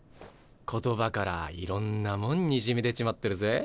言葉からいろんなもんにじみ出ちまってるぜ。